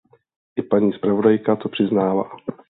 I paní zpravodajka to přiznává.